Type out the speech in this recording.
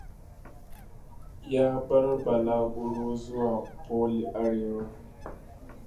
Ya bar balaguro zuwa Pole Arewa.